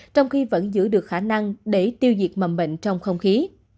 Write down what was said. trong khi vẫn giữ được khả năng để tiêu diệt mầm bệnh trong không khí